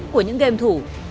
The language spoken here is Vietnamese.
của những game thủ